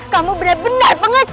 kamu benar benar pengecut